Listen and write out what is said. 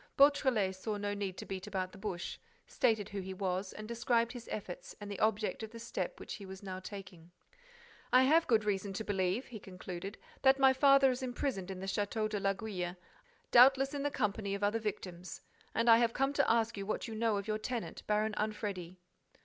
Beautrelet saw no need to beat about the bush, stated who he was and described his efforts and the object of the step which he was now taking: "I have good reason to believe," he concluded, "that my father is imprisoned in the Château de l'Aiguille, doubtless in the company of other victims. And I have come to ask you what you know of your tenant, Baron Anfredi."